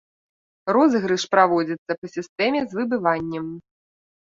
Розыгрыш праводзіцца па сістэме з выбываннем.